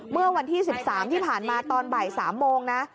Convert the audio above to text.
เมื่อวันที่๑๓ที่ผ่านมาตอนบ่าย๓โมงนะ